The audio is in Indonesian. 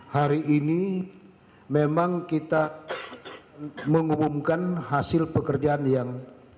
hari ini memang kita mengumumkan hasil pekerjaan yang